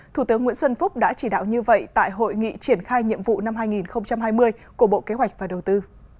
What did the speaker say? thủ tướng nguyễn xuân phúc đã chỉ đạo như vậy tại hội nghị triển khai nhiệm vụ năm hai nghìn hai mươi của bộ kế hoạch và đầu tư